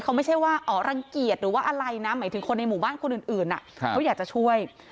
เขาไม่ใช่ว่าอ๋อรังเกียจหรือว่าอะไรนะหมายถึงคนในหมู่บ้านคนอื่นเขาอยากจะช่วย